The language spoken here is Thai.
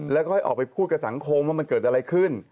แล้วก็ให้ออกไปพูดกับสังคมว่ามันเกิดอะไรขึ้น